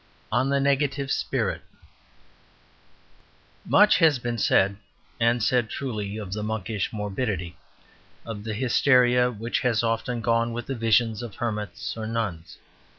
On the negative spirit Much has been said, and said truly, of the monkish morbidity, of the hysteria which as often gone with the visions of hermits or nuns.